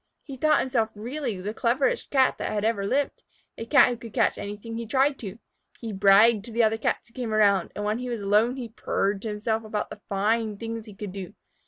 He thought himself really the cleverest Cat that had ever lived, a Cat who could catch anything he tried to. He bragged to the other Cats who came around, and when he was alone he purred to himself about the fine things he could do.